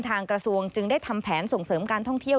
กระทรวงจึงได้ทำแผนส่งเสริมการท่องเที่ยว